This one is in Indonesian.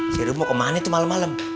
si rum mau kemana tuh malem malem